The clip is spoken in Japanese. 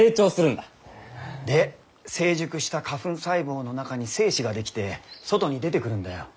で成熟した花粉細胞の中に精子が出来て外に出てくるんだよ。